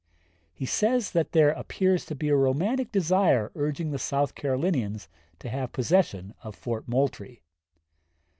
He says that there appears to be a romantic desire urging the South Carolinians to have possession of Fort Moultrie.